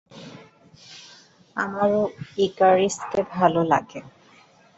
আমারও ইকারিসকে ভালো লাগে।